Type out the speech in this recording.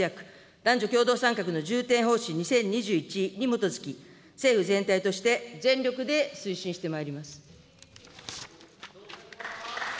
男女共同参画の重点方針２０２１に基づき、政府全体として全力で推進してまいります。